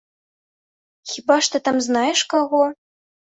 Хіба ж ты там знаеш каго?